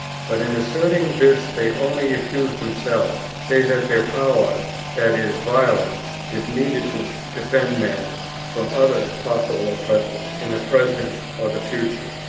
But in asserting this they only accuse themselves, say that their power, i. e., violence, is needed to defend men from other possible oppressors in the present or the future [see footnote].